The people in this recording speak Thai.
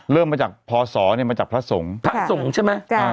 เริ่มมาจากพศนี่มาจากพระทรงทะทรงใช่ไหม